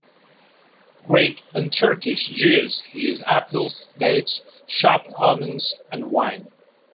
Greek and Turkish Jews use apples, dates, chopped almonds, and wine.